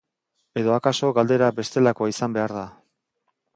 Edo akaso galdera bestelakoa izan behar da.